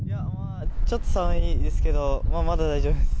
ちょっと寒いですけど、まだ大丈夫です。